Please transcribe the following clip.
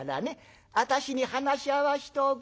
私に話合わしておくれよ。